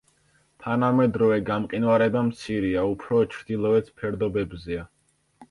თანამდეროვე გამყინვარება მცირეა, უფრო ჩრდილოეთ ფერდობებზეა.